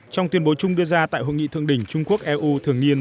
trong tuyên bố chung đưa ra tại hội nghị thượng đỉnh trung quốc eu thường niên